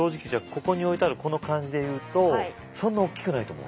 ここに置いてあるこの感じで言うとそんな大きくないと思う。